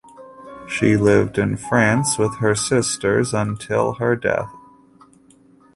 She lived in France with her sisters until her death.